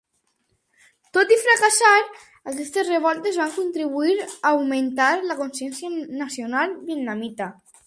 Tot i fracassar, aquestes revoltes van contribuir a augmentar la consciència nacional vietnamita.